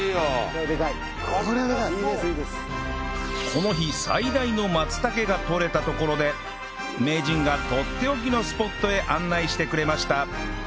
この日最大の松茸が採れたところで名人がとっておきのスポットへ案内してくれました